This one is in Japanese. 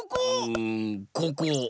うんここ！